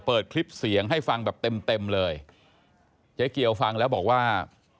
เปิดคลิปเสียงให้ฟังแบบเต็มเต็มเลยเจ๊เกียวฟังแล้วบอกว่า